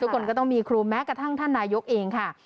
คนก็ต้องมีครูแม้กระทั่งท่านนายกเองค่ะ